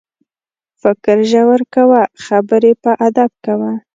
فکر ژور کوه، خبرې په ادب کوه.